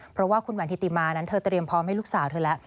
เพราะว่าคุณแหวนธิติมานั้นเธอเตรียมพร้อมให้ลูกสาวเธอแล้ว